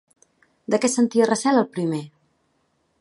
De què sentia recel el primer?